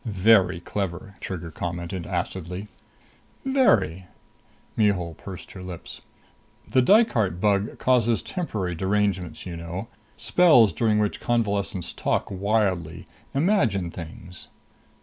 "Very clever!" Trigger commented acidly. "Very." Mihul pursed her lips. "The Dykart bug causes temporary derangements, you know spells during which convalescents talk wildly, imagine things."